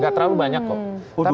gak terlalu banyak kok